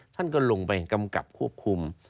ท่านก็ลงไปกำกับควบคุม